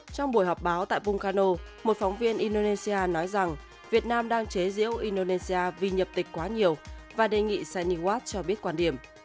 trong buổi họp báo tại bungano một phóng viên indonesia nói rằng việt nam đang chế diễu indonesia vì nhập tịch quá nhiều và đề nghị sainiwat cho biết quan điểm